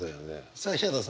さあヒャダさん。